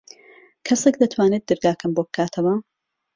کەسێک دەتوانێت دەرگاکەم بۆ بکاتەوە؟